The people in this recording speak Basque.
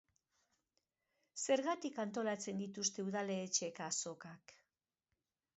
Zergaitik antolatzen dituzte udaletxeek azokak?